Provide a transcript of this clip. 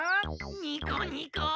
ニコニコ！